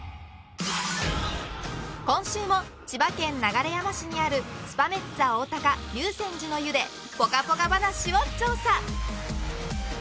今週も千葉県流山市にあるスパメッツァおおたか竜泉寺の湯でぽかぽか話を調査！